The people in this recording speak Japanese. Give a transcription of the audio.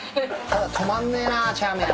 止まんねえなチャーメン。